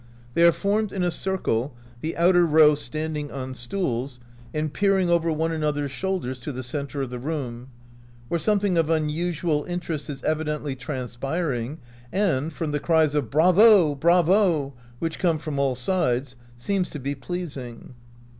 They are formed in a circle, the outer row standing on stools, and peering over one an other's shoulders to the center of the room, where something of unusual interest is evi dently transpiring, and, from the cries of "Bravo! Bravo!" which come from all sides, seems to be pleasing.